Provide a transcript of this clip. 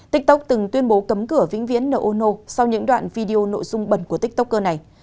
tiktok từng tuyên bố cấm cửa vĩnh viễn nô ô nô sau những đoạn video nội dung bẩn của tiktoker này